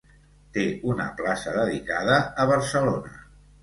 Té una plaça dedicada a Barcelona.